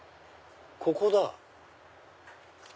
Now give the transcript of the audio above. ここだ。